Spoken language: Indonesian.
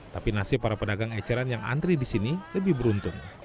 tapi nasib para pedagang eceran yang antri di sini lebih beruntung